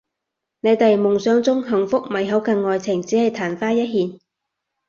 你哋夢想中幸福美好嘅愛情只係曇花一現